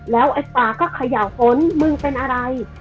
แล้วไอ้ปลาก็เขย่าฝนมึงเป็นอะไร